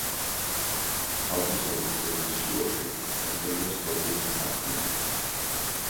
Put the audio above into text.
აღმოსავლეთ კედლის შუაში გაჭრილია სწორკუთხა სარკმელი.